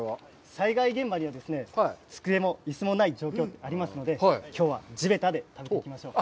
災害現場には机も椅子もない状況がありますので、きょうは地べたで食べましょう。